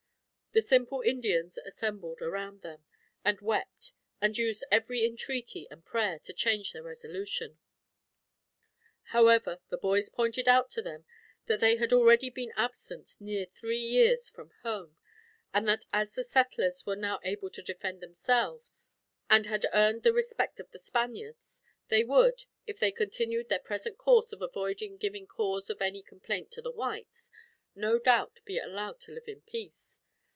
The simple Indians assembled around them, and wept, and used every entreaty and prayer, to change their resolution. However, the boys pointed out to them that they had already been absent near three years from home; and that, as the settlers were now able to defend themselves, and had earned the respect of the Spaniards, they would, if they continued their present course of avoiding giving any cause of complaint to the whites, no doubt be allowed to live in peace.